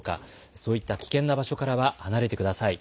そういった危険な場所からは離れてください。